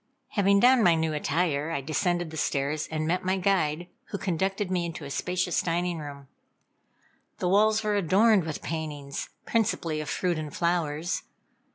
Having donned my new attire, I descended the stairs and met my guide, who conducted me into a spacious dining room. The walls were adorned with paintings, principally of fruit and flowers.